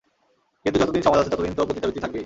কিন্তু যতদিন সমাজ আছে ততোদিন তো পতিতাবৃত্তি থাকবেই।